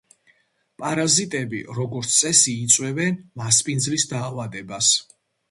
პარაზიტები, როგორც წესი, იწვევენ მასპინძლის დაავადებას.